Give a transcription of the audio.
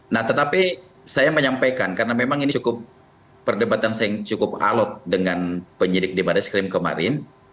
nah tetapi saya menyampaikan karena memang ini cukup perdebatan yang cukup alot dengan penyidik di baris krim kemarin